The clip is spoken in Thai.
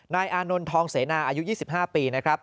อานนท์ทองเสนาอายุ๒๕ปีนะครับ